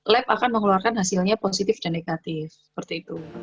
lab akan mengeluarkan hasilnya positif dan negatif seperti itu